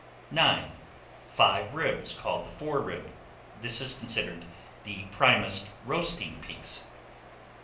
9. Five ribs, called the fore rib. This is considered the primest roasting piece.